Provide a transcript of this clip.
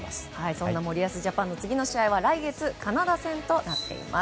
そんな森保ジャパンの次の試合は来月カナダ戦です。